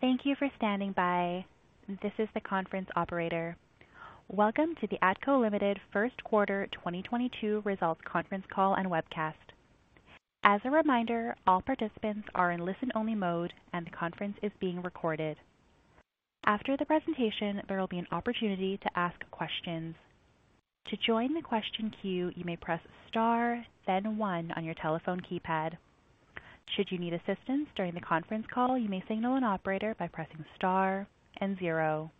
Thank you for standing by. This is the conference operator. Welcome to the ATCO Ltd. Q1 2022 Results Conference Call and Webcast. As a reminder, all participants are in listen-only mode, and the conference is being recorded. After the presentation, there will be an opportunity to ask questions. To join the question queue, you may press star then one on your telephone keypad. Should you need assistance during the conference call, you may signal an operator by pressing star and zero.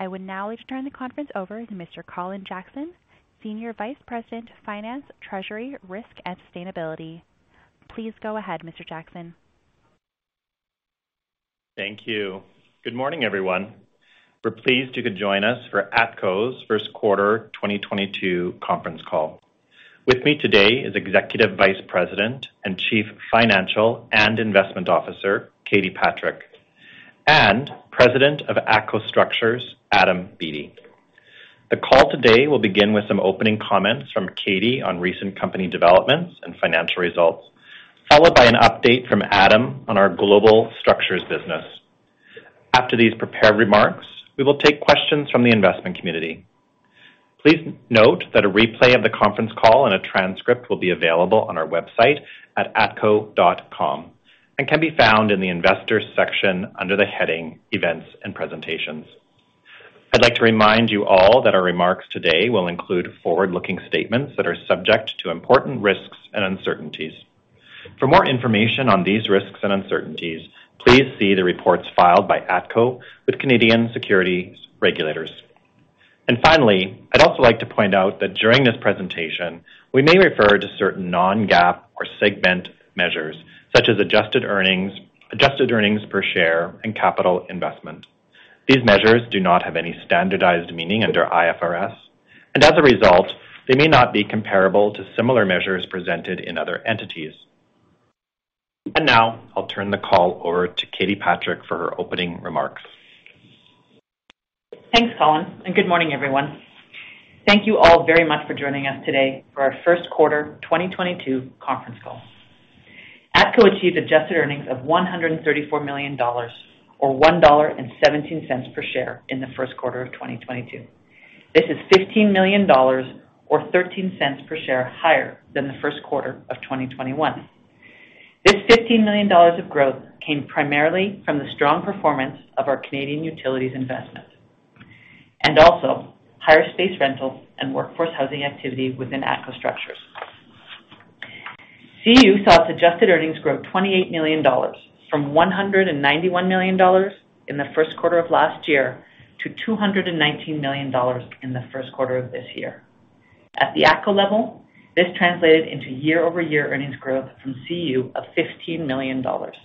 I would now like to turn the conference over to Mr. Colin Jackson, Senior Vice President, Finance, Treasury, Risk, and Sustainability. Please go ahead, Mr. Jackson. Thank you. Good morning, everyone. We're pleased you could join us for ATCO's Q1 2022 Conference Call. With me today is Executive Vice President and Chief Financial and Investment Officer, Katie Patrick, and President of ATCO Structures, Adam Beattie. The call today will begin with some opening comments from Katie on recent company developments and financial results, followed by an update from Adam on our global structures business. After these prepared remarks, we will take questions from the investment community. Please note that a replay of the conference call and a transcript will be available on our website at atco.com and can be found in the investors section under the heading Events and Presentations. I'd like to remind you all that our remarks today will include forward-looking statements that are subject to important risks and uncertainties. For more information on these risks and uncertainties, please see the reports filed by ATCO with Canadian security regulators. Finally, I'd also like to point out that during this presentation, we may refer to certain non-GAAP or segment measures such as adjusted earnings, adjusted earnings per share, and capital investment. These measures do not have any standardized meaning under IFRS, and as a result, they may not be comparable to similar measures presented in other entities. Now I'll turn the call over to Katie Patrick for her opening remarks. Thanks, Colin, and good morning, everyone. Thank you all very much for joining us today for our Q1 2022 conference call. ATCO achieved adjusted earnings of 134 million dollars or 1.17 dollar per share in the Q1 of 2022. This is 15 million dollars or 0.13 per share higher than the Q1 of 2021. This 15 million dollars of growth came primarily from the strong performance of our Canadian utilities investment and also higher space rentals and workforce housing activity within ATCO Structures. CU saw its adjusted earnings grow 28 million dollars from 191 million dollars in the Q1 of last year to 219 million dollars in the Q1 of this year. At the ATCO level, this translated into year-over-year earnings growth from CU of 15 million dollars.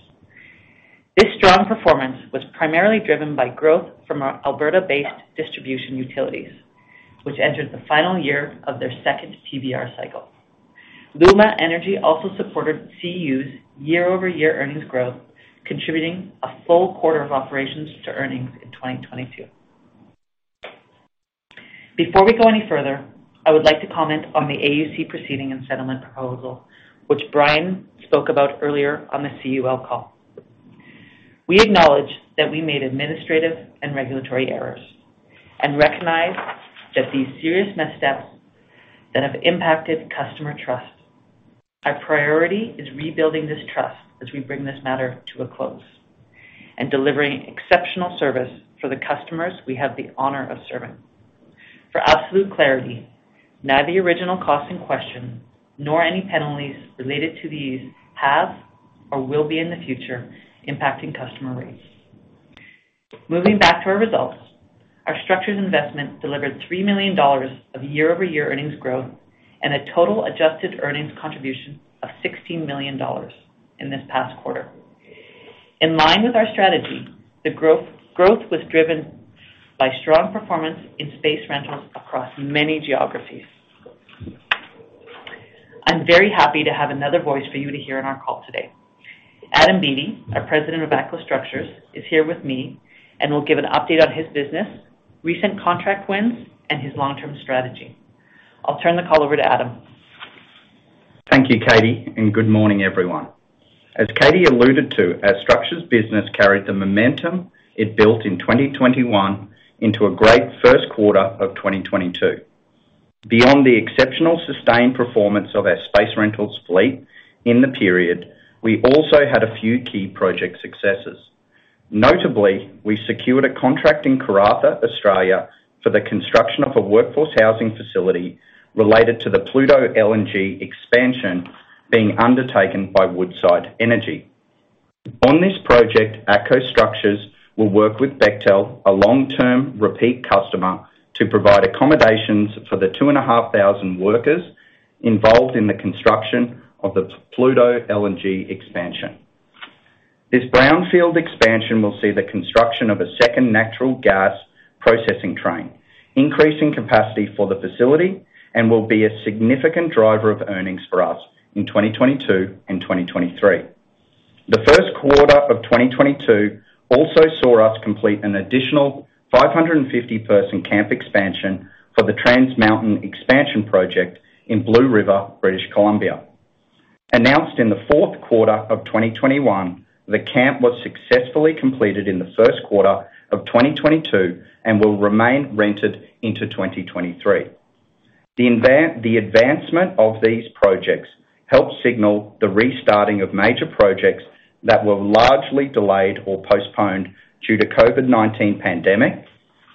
This strong performance was primarily driven by growth from our Alberta-based distribution utilities, which entered the final year of their second TBR cycle. LUMA Energy also supported CU's year-over-year earnings growth, contributing a full quarter of operations to earnings in 2022. Before we go any further, I would like to comment on the AUC proceeding and settlement proposal, which Brian spoke about earlier on the CU call. We acknowledge that we made administrative and regulatory errors and recognize that these serious missteps that have impacted customer trust. Our priority is rebuilding this trust as we bring this matter to a close and delivering exceptional service for the customers we have the honor of serving. For absolute clarity, neither the original cost in question nor any penalties related to these have or will be in the future impacting customer rates. Moving back to our results, our structures investment delivered 3 million dollars of year-over-year earnings growth and a total adjusted earnings contribution of 16 million dollars in this past quarter. In line with our strategy, the growth was driven by strong performance in space rentals across many geographies. I'm very happy to have another voice for you to hear on our call today. Adam Beattie, our President of ATCO Structures, is here with me and will give an update on his business, recent contract wins, and his long-term strategy. I'll turn the call over to Adam. Thank you, Katie, and good morning, everyone. As Katie alluded to, our structures business carried the momentum it built in 2021 into a great Q1 of 2022. Beyond the exceptional sustained performance of our space rentals fleet in the period, we also had a few key project successes. Notably, we secured a contract in Karratha, Australia, for the construction of a workforce housing facility related to the Pluto LNG expansion being undertaken by Woodside Energy. On this project, ATCO Structures will work with Bechtel, a long-term repeat customer, to provide accommodations for the 2,500 workers involved in the construction of the Pluto LNG expansion. This brownfield expansion will see the construction of a second natural gas processing train, increasing capacity for the facility and will be a significant driver of earnings for us in 2022 and 2023. The Q1 of 2022 also saw us complete an additional 550-person camp expansion for the Trans Mountain expansion project in Blue River, British Columbia. Announced in the Q4 of 2021, the camp was successfully completed in the Q1 of 2022 and will remain rented into 2023. The advancement of these projects help signal the restarting of major projects that were largely delayed or postponed due to COVID-19 pandemic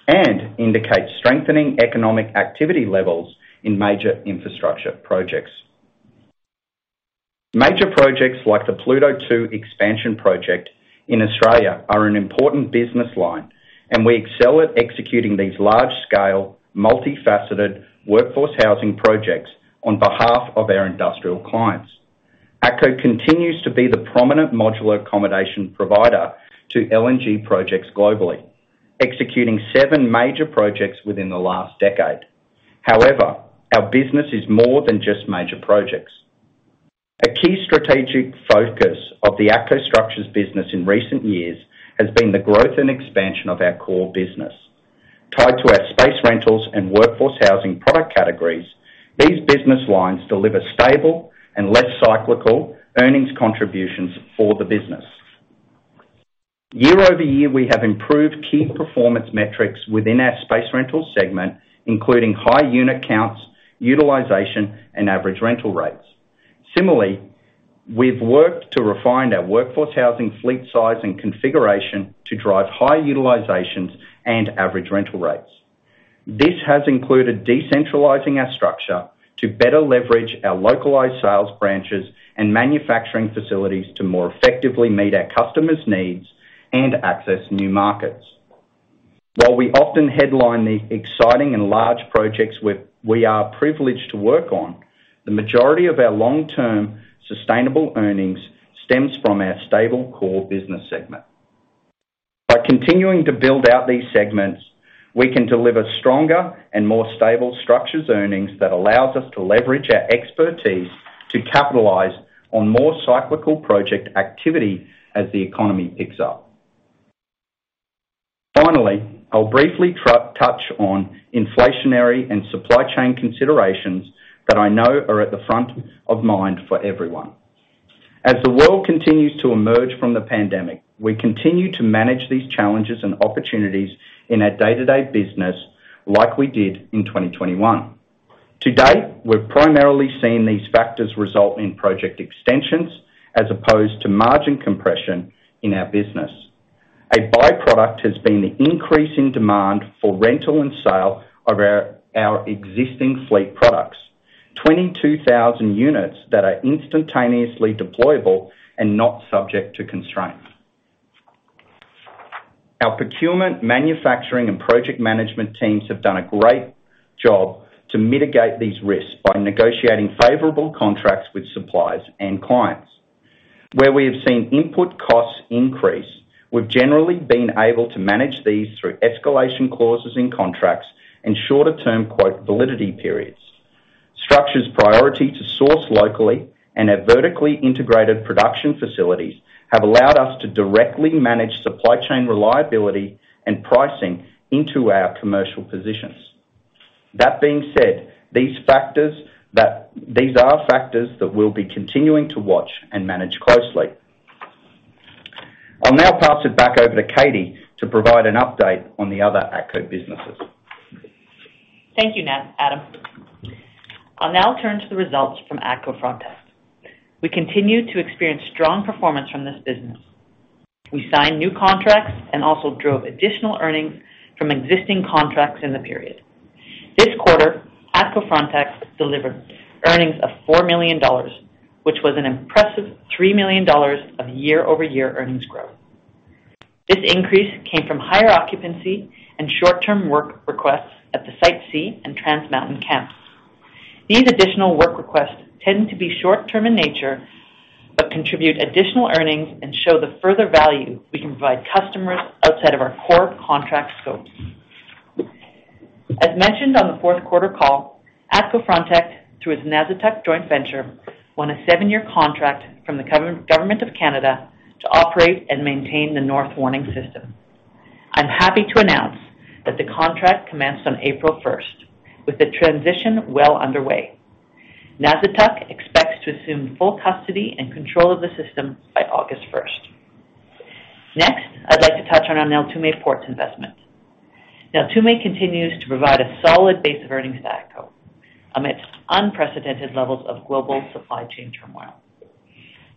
and indicate strengthening economic activity levels in major infrastructure projects. Major projects like the Pluto II expansion project in Australia are an important business line, and we excel at executing these large scale, multifaceted workforce housing projects on behalf of our industrial clients. ATCO continues to be the prominent modular accommodation provider to LNG projects globally, executing seven major projects within the last decade. However, our business is more than just major projects. A key strategic focus of the ATCO Structures business in recent years has been the growth and expansion of our core business. Tied to our space rentals and workforce housing product categories, these business lines deliver stable and less cyclical earnings contributions for the business. Year-over-year, we have improved key performance metrics within our space rental segment, including high unit counts, utilization, and average rental rates. Similarly, we've worked to refine our workforce housing fleet size and configuration to drive high utilizations and average rental rates. This has included decentralizing our structure to better leverage our localized sales branches and manufacturing facilities to more effectively meet our customers' needs and access new markets. While we often headline the exciting and large projects we are privileged to work on, the majority of our long-term sustainable earnings stems from our stable core business segment. By continuing to build out these segments, we can deliver stronger and more stable structures earnings that allows us to leverage our expertise to capitalize on more cyclical project activity as the economy picks up. Finally, I'll briefly touch on inflationary and supply chain considerations that I know are at the front of mind for everyone. As the world continues to emerge from the pandemic, we continue to manage these challenges and opportunities in our day-to-day business like we did in 2021. To date, we're primarily seeing these factors result in project extensions as opposed to margin compression in our business. A by-product has been the increase in demand for rental and sale of our existing fleet products, 22,000 units that are instantaneously deployable and not subject to constraints. Our procurement, manufacturing, and project management teams have done a great job to mitigate these risks by negotiating favorable contracts with suppliers and clients. Where we have seen input costs increase, we've generally been able to manage these through escalation clauses in contracts and shorter-term quote validity periods. Structures' priority to source locally and our vertically integrated production facilities have allowed us to directly manage supply chain reliability and pricing into our commercial positions. That being said, these are factors that we'll be continuing to watch and manage closely. I'll now pass it back over to Katie to provide an update on the other ATCO businesses. Thank you, Adam. I'll now turn to the results from ATCO Frontec. We continue to experience strong performance from this business. We signed new contracts and also drove additional earnings from existing contracts in the period. This quarter, ATCO Frontec delivered earnings of 4 million dollars, which was an impressive 3 million dollars of year-over-year earnings growth. This increase came from higher occupancy and short-term work requests at the Site C and Trans Mountain camps. These additional work requests tend to be short-term in nature, but contribute additional earnings and show the further value we can provide customers outside of our core contract scopes. As mentioned on the Q4 call, ATCO Frontec, through its Nasittuq joint venture, won a seven-year contract from the government of Canada to operate and maintain the North Warning System. I'm happy to announce that the contract commenced on April 1st, with the transition well underway. Nasittuq expects to assume full custody and control of the system by August 1st. Next, I'd like to touch on our Neltume Ports investment. Neltume continues to provide a solid base of earnings to ATCO amidst unprecedented levels of global supply chain turmoil.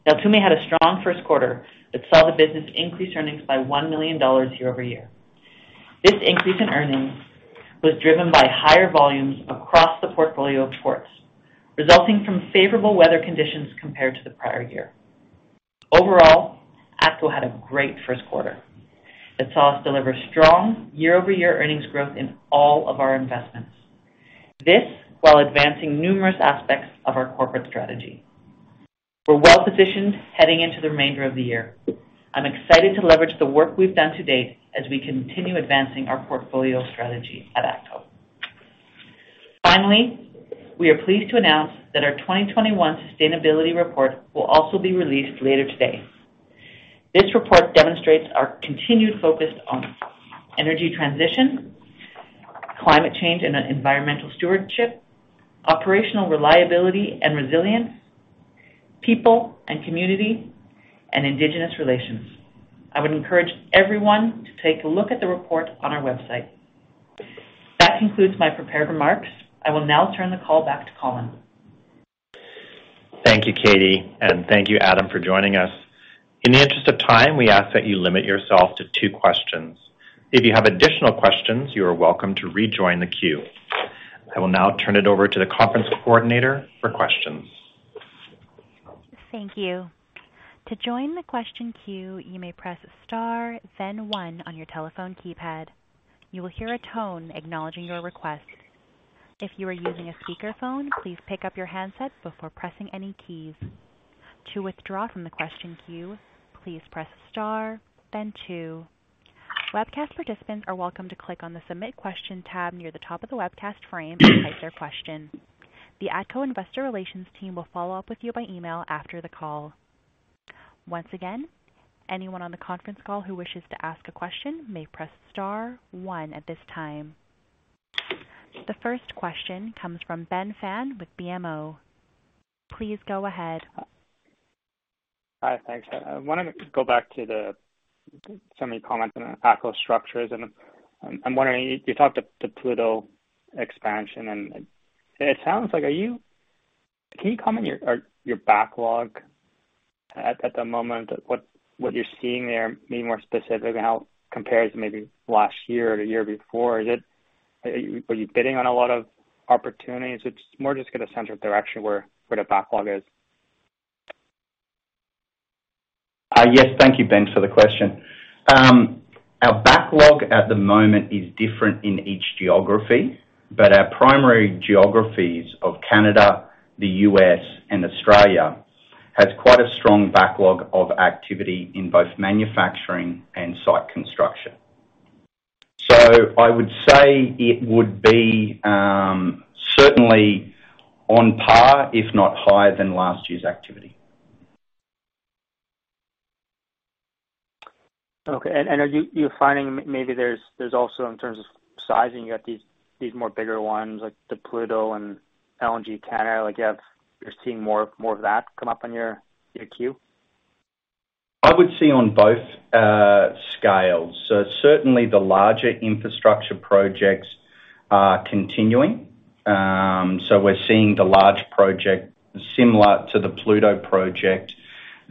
Neltume had a strong Q1 that saw the business increase earnings by 1 million dollars year-over-year. This increase in earnings was driven by higher volumes across the portfolio of ports, resulting from favorable weather conditions compared to the prior year. Overall, ATCO had a great Q1 that saw us deliver strong year-over-year earnings growth in all of our investments. This while advancing numerous aspects of our corporate strategy. We're well-positioned heading into the remainder of the year. I'm excited to leverage the work we've done to date as we continue advancing our portfolio strategy at ATCO. Finally, we are pleased to announce that our 2021 sustainability report will also be released later today. This report demonstrates our continued focus on energy transition. Climate change and environmental stewardship, operational reliability and resilience, people and community and indigenous relations. I would encourage everyone to take a look at the report on our website. That concludes my prepared remarks. I will now turn the call back to Colin. Thank you, Katie, and thank you Adam, for joining us. In the interest of time, we ask that you limit yourself to two questions. If you have additional questions, you are welcome to rejoin the queue. I will now turn it over to the conference coordinator for questions. Thank you. To join the question queue, you may press star then one on your telephone keypad. You will hear a tone acknowledging your request. If you are using a speakerphone, please pick up your handset before pressing any keys. To withdraw from the question queue, please press star then two. Webcast participants are welcome to click on the Submit Question tab near the top of the webcast frame to type their question. The ATCO investor relations team will follow up with you by email after the call. Once again, anyone on the conference call who wishes to ask a question may press star one at this time. The first question comes from Ben Pham with BMO. Please go ahead. Hi. Thanks. I wanted to go back to some of your comments on ATCO Structures, and I'm wondering, you talked about the Pluto expansion and it sounds like. Can you comment on your backlog at the moment? What you're seeing there, I mean more specifically how it compares maybe last year or the year before. Are you bidding on a lot of opportunities? It's more just to get a sense of direction where the backlog is. Yes. Thank you, Ben, for the question. Our backlog at the moment is different in each geography, but our primary geographies of Canada, the U.S, and Australia has quite a strong backlog of activity in both manufacturing and site construction. I would say it would be certainly on par, if not higher than last year's activity. Okay. Are you finding maybe there's also in terms of sizing, you got these more bigger ones like the Pluto and LNG tanker, like you're seeing more of that come up on your queue? I would see on both scales. Certainly the larger infrastructure projects are continuing. We're seeing the large project similar to the Pluto project.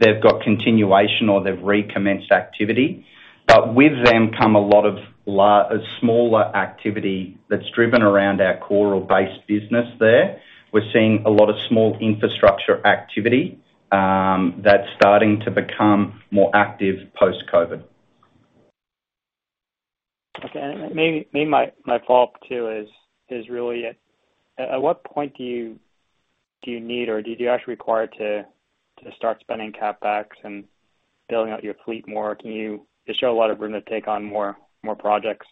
They've got continuation or they've recommenced activity. With them come a lot of smaller activity that's driven around our core or base business there. We're seeing a lot of small infrastructure activity that's starting to become more active post-COVID. Okay. Maybe my follow-up too is really at what point do you need or do you actually require to start spending CapEx and building out your fleet more? Can you show a lot of room to take on more projects.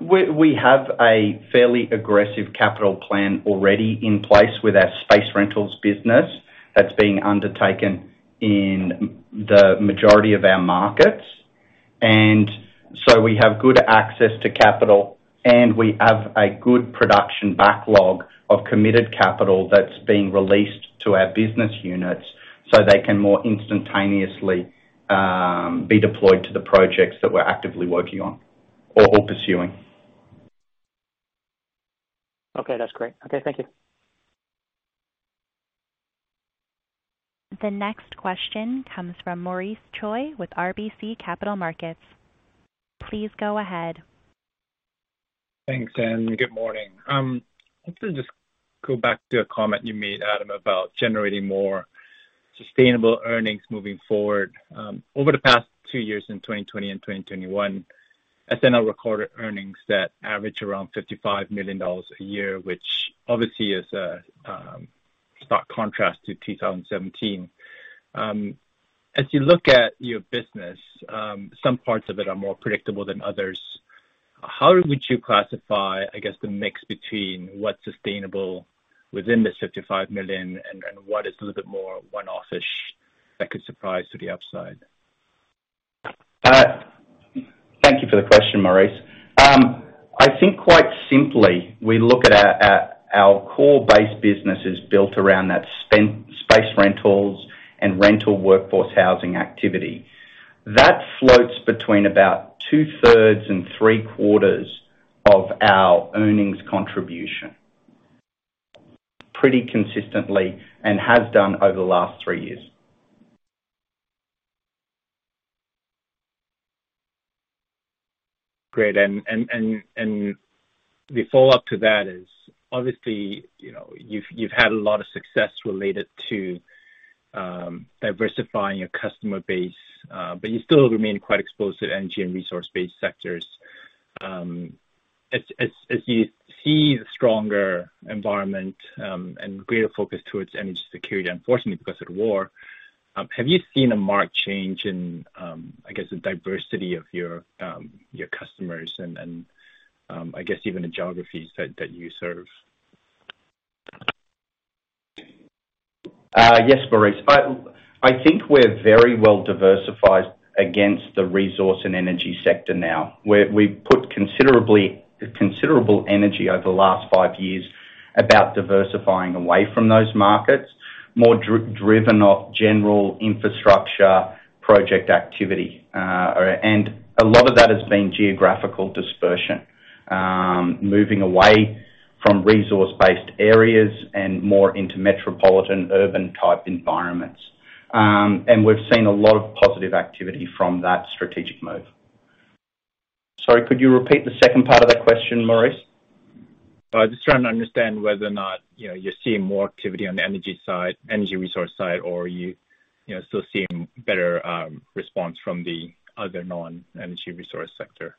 We have a fairly aggressive capital plan already in place with our space rentals business that's being undertaken in the majority of our markets. We have good access to capital, and we have a good production backlog of committed capital that's being released to our business units so they can more instantaneously be deployed to the projects that we're actively working on or pursuing. Okay. That's great. Okay. Thank you. The next question comes from Maurice Choy with RBC Capital Markets. Please go ahead. Thanks, good morning. I want to just go back to a comment you made, Adam, about generating more sustainable earnings moving forward. Over the past two years in 2020 and 2021, S&L recorded earnings that average around 55 million dollars a year, which obviously is a stark contrast to 2017. As you look at your business, some parts of it are more predictable than others. How would you classify, I guess, the mix between what's sustainable within the 55 million and what is a little bit more one-off-ish that could surprise to the upside? Thank you for the question, Maurice. I think quite simply, we look at our core base business is built around that S&L space rentals and rental workforce housing activity. That floats between about 2/3 and three-quarters of our earnings contribution pretty consistently and has done over the last three years. Great. The follow-up to that is obviously, you know, you've had a lot of success related to diversifying your customer base, but you still remain quite exposed to energy and resource-based sectors. As you see the stronger environment and greater focus towards energy security, unfortunately, because of the war, have you seen a marked change in, I guess, the diversity of your customers and, I guess even the geographies that you serve? Yes, Maurice. I think we're very well diversified against the resource and energy sector now. We've put considerable energy over the last five years about diversifying away from those markets. More driven off general infrastructure project activity. A lot of that has been geographical dispersion, moving away from resource-based areas and more into metropolitan urban type environments. We've seen a lot of positive activity from that strategic move. Sorry, could you repeat the second part of that question, Maurice? I'm just trying to understand whether or not, you know, you're seeing more activity on the energy resource side, or are you know, still seeing better response from the other non-energy resource sector?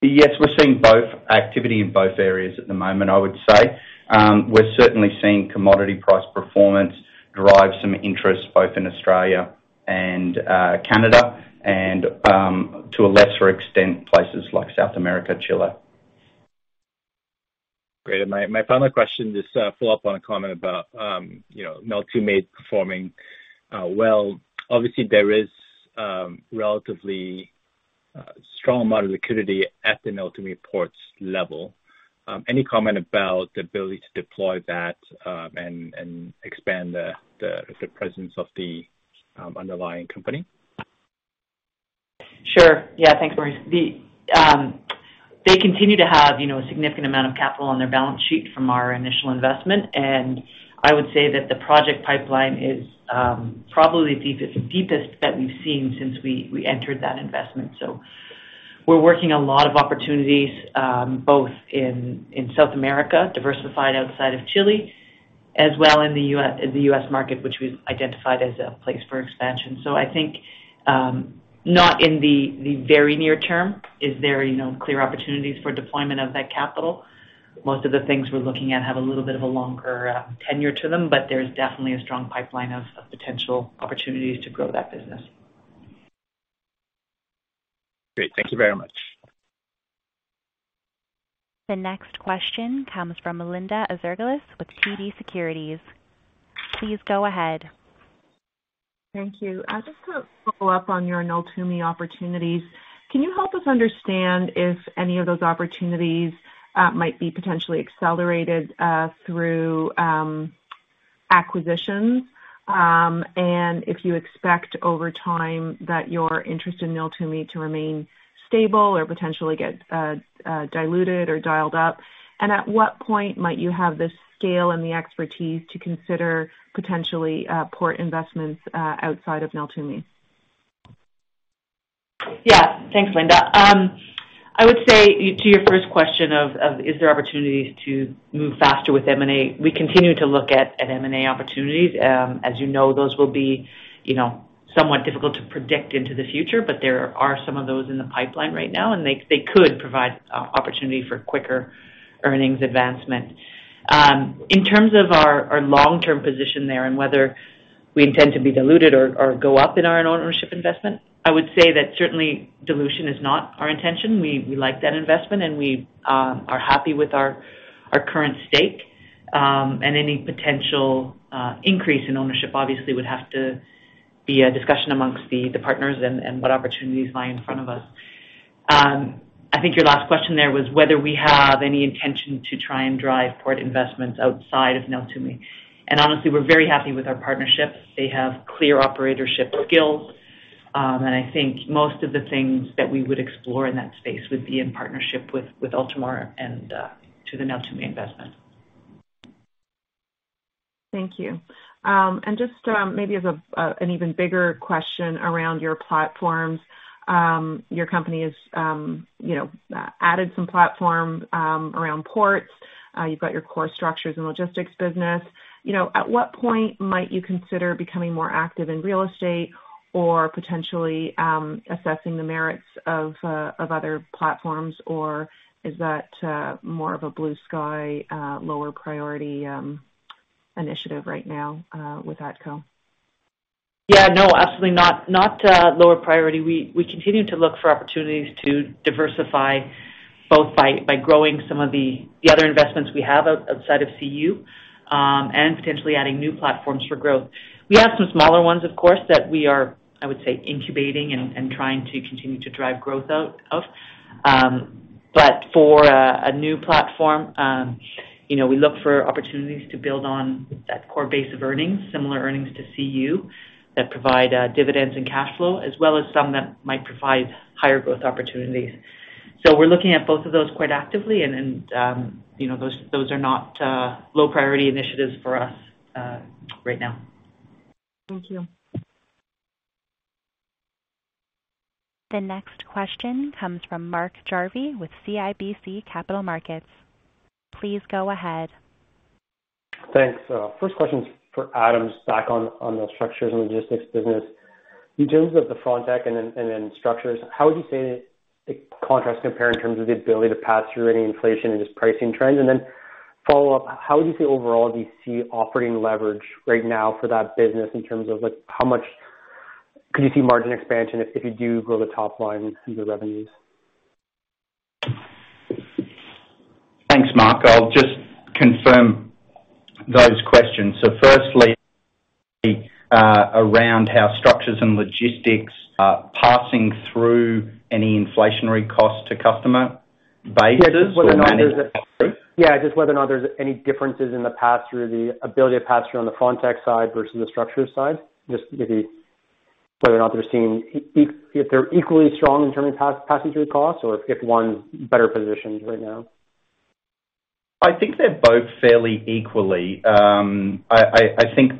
Yes, we're seeing both activity in both areas at the moment, I would say. We're certainly seeing commodity price performance drive some interest both in Australia and, Canada and, to a lesser extent, places like South America, Chile. Great. My final question, just a follow-up on a comment about Neltume performing well. Obviously, there is relatively strong amount of liquidity at the Neltume Ports level. Any comment about the ability to deploy that and expand the presence of the underlying company? Sure. Yeah. Thanks, Maurice. They continue to have, you know, a significant amount of capital on their balance sheet from our initial investment, and I would say that the project pipeline is probably the deepest that we've seen since we entered that investment. We're working a lot of opportunities, both in South America, diversified outside of Chile, as well in the U.S market, which we've identified as a place for expansion. I think, not in the very near term is there, you know, clear opportunities for deployment of that capital. Most of the things we're looking at have a little bit of a longer tenure to them, but there's definitely a strong pipeline of potential opportunities to grow that business. Great. Thank you very much. The next question comes from Linda Ezergailis with TD Securities. Please go ahead. Thank you. Just to follow up on your Neltume opportunities, can you help us understand if any of those opportunities might be potentially accelerated through acquisitions? If you expect over time that your interest in Neltume to remain stable or potentially get diluted or dialed up? At what point might you have the scale and the expertise to consider potentially port investments outside of Neltume? Yeah. Thanks, Linda. I would say to your first question of is there opportunities to move faster with M&A, we continue to look at M&A opportunities. As you know, those will be, you know, somewhat difficult to predict into the future, but there are some of those in the pipeline right now, and they could provide opportunity for quicker earnings advancement. In terms of our long-term position there and whether we intend to be diluted or go up in our ownership investment, I would say that certainly dilution is not our intention. We like that investment and we are happy with our current stake. Any potential increase in ownership obviously would have to be a discussion amongst the partners and what opportunities lie in front of us. I think your last question there was whether we have any intention to try and drive port investments outside of Neltume. Honestly, we're very happy with our partnerships. They have clear operatorship skills, and I think most of the things that we would explore in that space would be in partnership with Ultramar and to the Neltume investment. Thank you. Just maybe as an even bigger question around your platforms, your company has, you know, added some platforms around ports. You've got your core structures and logistics business. You know, at what point might you consider becoming more active in real estate or potentially assessing the merits of other platforms? Or is that more of a blue sky lower priority initiative right now with ATCO? Yeah, no, absolutely not lower priority. We continue to look for opportunities to diversify both by growing some of the other investments we have outside of CU, and potentially adding new platforms for growth. We have some smaller ones, of course, that we are, I would say, incubating and trying to continue to drive growth out of. For a new platform, you know, we look for opportunities to build on that core base of earnings, similar earnings to CU that provide dividends and cash flow, as well as some that might provide higher growth opportunities. We're looking at both of those quite actively, and you know, those are not low priority initiatives for us right now. Thank you. The next question comes from Mark Jarvi with CIBC Capital Markets. Please go ahead. Thanks. First question is for Adam, just back on those structures and logistics business. In terms of the Frontec and then structures, how would you say the contracts compare in terms of the ability to pass through any inflation and just pricing trends? Follow up, how would you say overall do you see operating leverage right now for that business in terms of, like, how much could you see margin expansion if you do grow the top line and see the revenues? Thanks, Mark. I'll just confirm those questions. Firstly, around how Structures & Logistics are passing through any inflationary costs to customer bases? Yeah, just whether or not there's any differences in the pass-through, the ability to pass through on the Frontec side versus the Structures side. Just maybe whether or not they're seeing if they're equally strong in terms of pass-through costs or if one's better positioned right now. I think they're both fairly equally. I think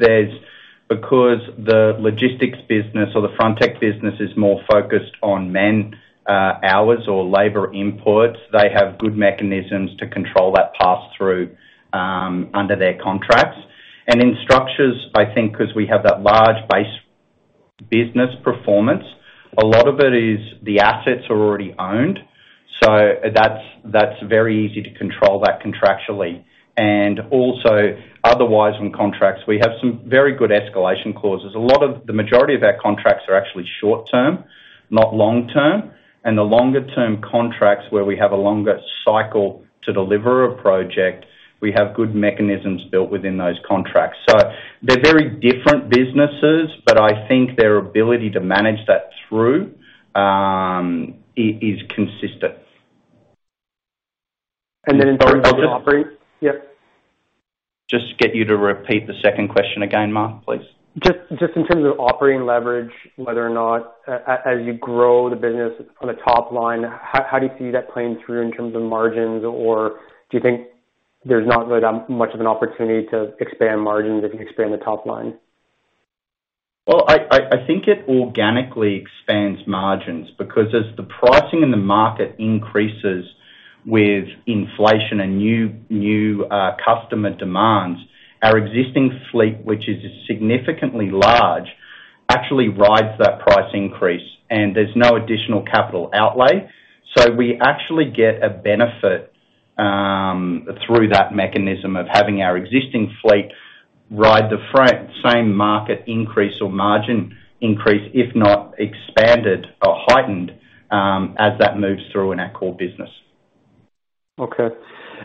because the logistics business or the Frontec business is more focused on man hours or labor inputs, they have good mechanisms to control that pass through under their contracts. In Structures, I think because we have that large base business performance, a lot of it is the assets are already owned, so that's very easy to control that contractually. Also otherwise on contracts, we have some very good escalation clauses. A lot of the majority of our contracts are actually short-term, not long-term. The longer-term contracts where we have a longer cycle to deliver a project, we have good mechanisms built within those contracts. They're very different businesses, but I think their ability to manage that through is consistent. In terms of operating. Yep. Just get you to repeat the second question again, Mark, please. Just in terms of operating leverage, whether or not as you grow the business on the top line, how do you see that playing through in terms of margins? Or do you think there's not really that much of an opportunity to expand margins if you expand the top line? Well, I think it organically expands margins because as the pricing in the market increases with inflation and new customer demands, our existing fleet, which is significantly large, actually rides that price increase and there's no additional capital outlay. We actually get a benefit through that mechanism of having our existing fleet ride the same market increase or margin increase, if not expanded or heightened, as that moves through in our core business. Okay.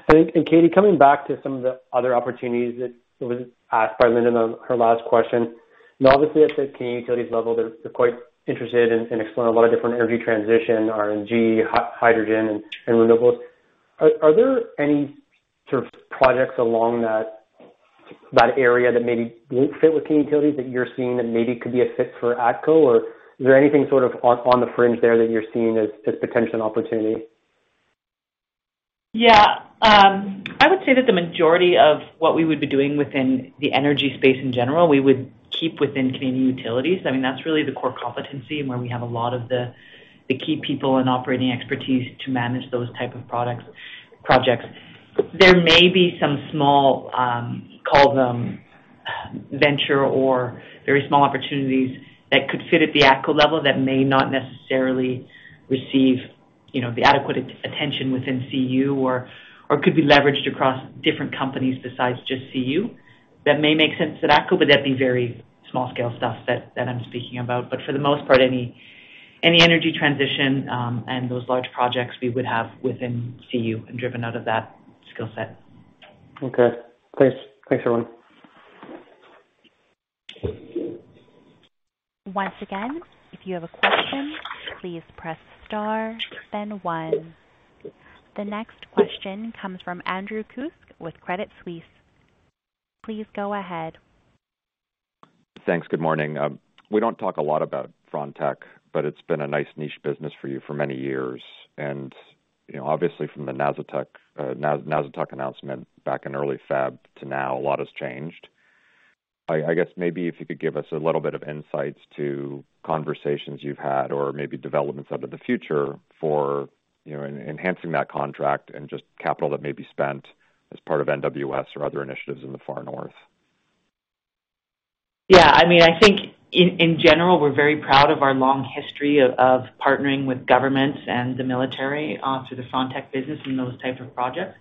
Katie, coming back to some of the other opportunities that was asked by Linda in her last question. Obviously at the Canadian Utilities level, they're quite interested in exploring a lot of different energy transition, RNG, hydrogen and renewables. Are there any sort of projects along that area that maybe wouldn't fit with Canadian Utilities that you're seeing that maybe could be a fit for ATCO? Or is there anything sort of on the fringe there that you're seeing as potential opportunity? Yeah. I would say that the majority of what we would be doing within the energy space in general, we would keep within Canadian Utilities. I mean, that's really the core competency and where we have a lot of the key people and operating expertise to manage those type of projects. There may be some small, call them venture or very small opportunities that could fit at the ATCO level that may not necessarily receive, you know, the adequate attention within CU or could be leveraged across different companies besides just CU that may make sense to ATCO, but that'd be very small scale stuff that I'm speaking about. For the most part, any energy transition and those large projects we would have within CU and driven out of that skill set. Okay. Thanks. Thanks, everyone. Once again, if you have a question, please press star then one. The next question comes from Andrew Kuske with Credit Suisse. Please go ahead. Thanks. Good morning. We don't talk a lot about Frontec, but it's been a nice niche business for you for many years. You know, obviously from the Nasittuq announcement back in early February to now, a lot has changed. I guess maybe if you could give us a little bit of insight into conversations you've had or maybe developments in the future for, you know, enhancing that contract and just capital that may be spent as part of NWS or other initiatives in the far North. Yeah, I mean, I think in general, we're very proud of our long history of partnering with governments and the military through the Frontec business and those type of projects.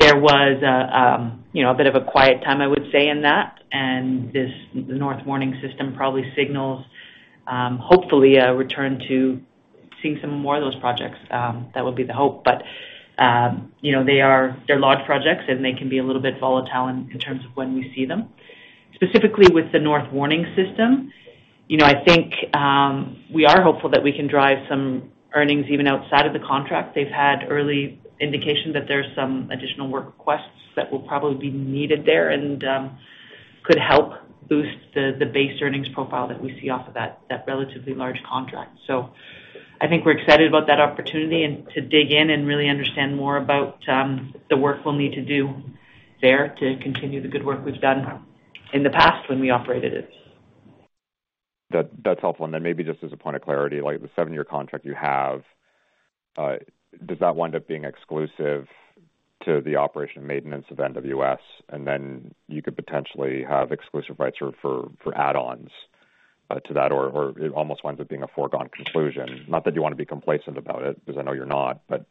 There was a you know, a bit of a quiet time, I would say, in that and this North Warning System probably signals hopefully a return to seeing some more of those projects. That would be the hope. But you know, they're large projects and they can be a little bit volatile in terms of when we see them. Specifically with the North Warning System, you know, I think we are hopeful that we can drive some earnings even outside of the contract. They've had early indication that there's some additional work requests that will probably be needed there and could help boost the base earnings profile that we see off of that relatively large contract. I think we're excited about that opportunity and to dig in and really understand more about the work we'll need to do there to continue the good work we've done in the past when we operated it. That's helpful. Then maybe just as a point of clarity, like the seven-year contract you have, does that wind up being exclusive to the operation and maintenance of NWS, and then you could potentially have exclusive rights for add-ons to that? Or it almost winds up being a foregone conclusion. Not that you wanna be complacent about it, because I know you're not, but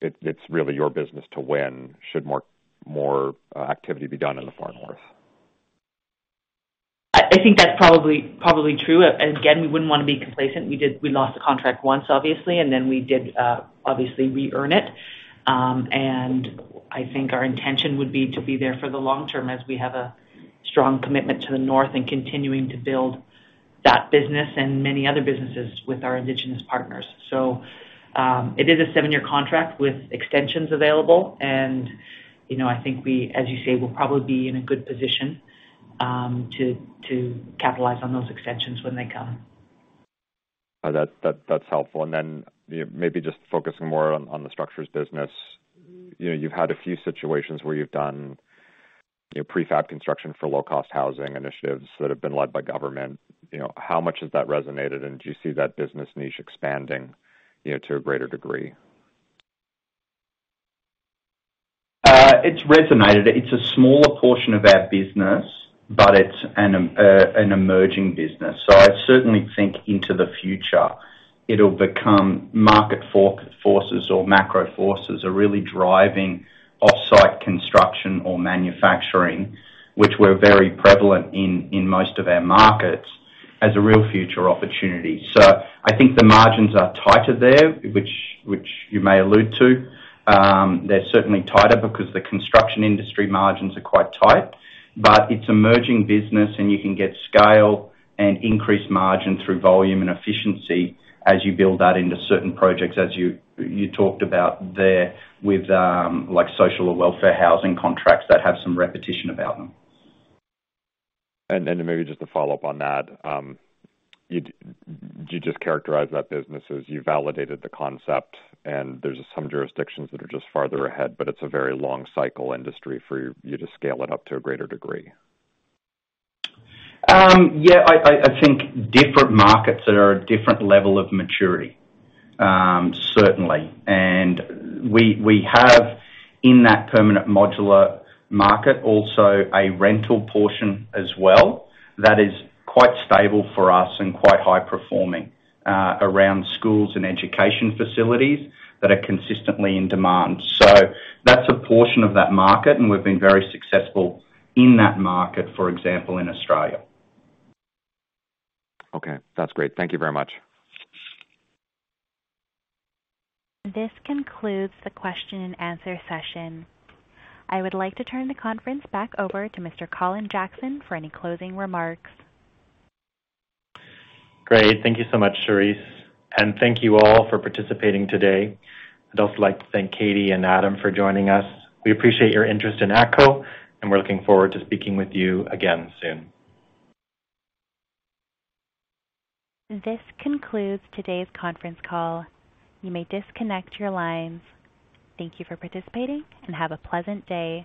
it's really your business to win should more activity be done in the far North. I think that's probably true. Again, we wouldn't wanna be complacent. We lost the contract once, obviously, and then we did obviously re-earn it. I think our intention would be to be there for the long term as we have a strong commitment to the North and continuing to build that business and many other businesses with our Indigenous partners. It is a seven-year contract with extensions available and, you know, I think we, as you say, we'll probably be in a good position to capitalize on those extensions when they come. That's helpful. You know, maybe just focusing more on the structures business. You know, you've had a few situations where you've done your prefab construction for low-cost housing initiatives that have been led by government. You know, how much has that resonated, and do you see that business niche expanding, you know, to a greater degree? It's resonated. It's a smaller portion of our business, but it's an emerging business. I certainly think into the future market forces or macro forces are really driving off-site construction or manufacturing, which we're very present in most of our markets as a real future opportunity. I think the margins are tighter there, which you alluded to. They're certainly tighter because the construction industry margins are quite tight. It's emerging business, and you can get scale and increase margin through volume and efficiency as you build that into certain projects as you talked about there with like social or welfare housing contracts that have some repetition about them. Maybe just to follow up on that, did you just characterize that business as you validated the concept and there's some jurisdictions that are just farther ahead, but it's a very long cycle industry for you to scale it up to a greater degree? Yeah, I think different markets are at different level of maturity, certainly. We have in that permanent modular market also a rental portion as well that is quite stable for us and quite high performing around schools and education facilities that are consistently in demand. That's a portion of that market, and we've been very successful in that market, for example, in Australia. Okay, that's great. Thank you very much. This concludes the question and answer session. I would like to turn the conference back over to Mr. Colin Jackson for any closing remarks. Great. Thank you so much, Charisse. Thank you all for participating today. I'd also like to thank Katie and Adam for joining us. We appreciate your interest in ATCO, and we're looking forward to speaking with you again soon. This concludes today's conference call. You may disconnect your lines. Thank you for participating, and have a pleasant day.